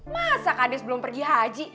masa kades belum pergi haji